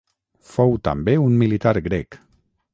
Fou també un militar grec.